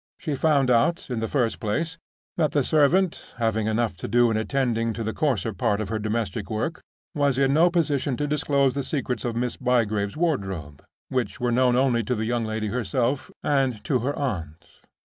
She found out, in the first place, that the servant (having enough to do in attending to the coarser part of the domestic work) was in no position to disclose the secrets of Miss Bygrave's wardrobe, which were known only to the young lady herself and to her aunt.